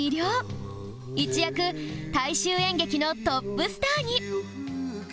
一躍大衆演劇のトップスターに